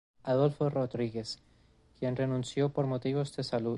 Adolfo Rodríguez, quien renunció por motivos de salud.